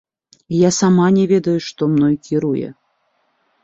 Я сама не ведаю, што мной кіруе.